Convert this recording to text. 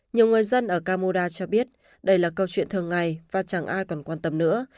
nhiều người dân ở camuda cho biết đây là câu chuyện thường ngày và chẳng ai còn quan tâm nữa